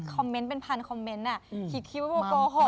คอมเมนต์เป็นพันคอมเมนต์คิดคิดว่าโบโกหก